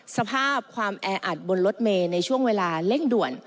สภาพความแออัดบนรถเมย์ในช่วงเวลาเร่งด่วน